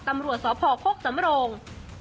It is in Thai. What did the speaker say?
ตำรวจสพโคกสำโรง